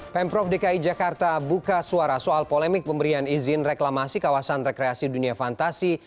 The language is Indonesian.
pemprov dki jakarta buka suara soal polemik pemberian izin reklamasi kawasan rekreasi dunia fantasi